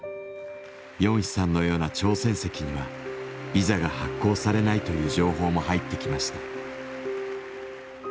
ヨンヒさんのような「朝鮮籍」にはビザが発行されないという情報も入ってきました。